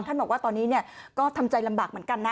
บอกว่าตอนนี้ก็ทำใจลำบากเหมือนกันนะ